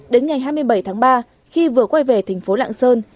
đến ngày hai mươi bảy tháng ba khi vừa quay về thành phố lạng sơn